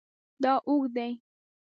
دا اوږد دی